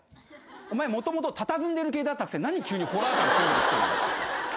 お前もともとたたずんでる系だったくせに何急にホラー感強めてきてんだと。